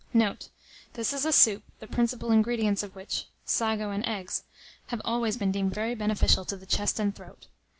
Note. This is a soup, the principal ingredients of which, sago and eggs, have always been deemed very beneficial to the chest and throat.